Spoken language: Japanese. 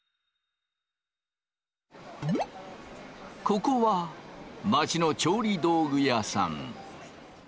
ここは街の調理道具屋さん。